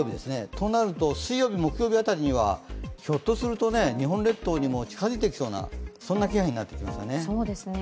となると水曜日、木曜日辺りにはひょっとすると日本列島にも近づいてきそうな、そんな気配になってきますね。